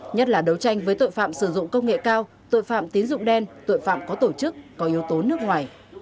nhất là đấu tranh với tội phạm sử dụng công nghệ cao tội phạm tín dụng đen tội phạm có tổ chức có yếu tố nước ngoài